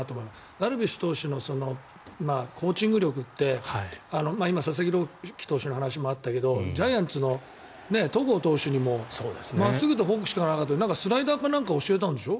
ダルビッシュ投手のコーチング力って今、佐々木朗希投手の話もあったけどジャイアンツの戸郷投手にも真っすぐとフォークしかなかったのになんかスライダーかなんか教えたんでしょ？